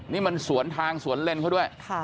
นี่มันสวนทางสวนเลนเขาด้วย